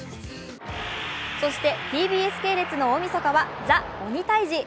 そしてＴＢＳ系列の大みそかは「ＴＨＥ鬼タイジ」。